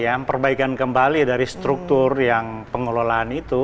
sehingga kita bisa melakukan kembali dari struktur yang pengelolaan itu